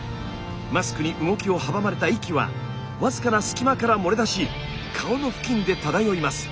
マスクに動きを阻まれた息は僅かな隙間から漏れ出し顔の付近で漂います。